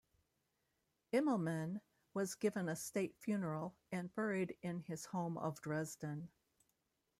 Immelmann was given a state funeral and buried in his home of Dresden.